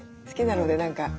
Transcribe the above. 好きなので何か。